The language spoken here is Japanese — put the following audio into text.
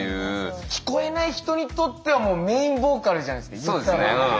聞こえない人にとってはもうメインボーカルじゃないですか。